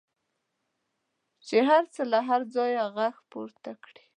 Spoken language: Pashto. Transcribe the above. چې هر څه له هره ځایه غږ پورته کړي.